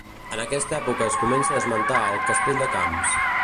En aquesta època es comença a esmentar el castell de Camps.